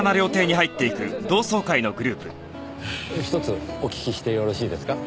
ひとつお聞きしてよろしいですか？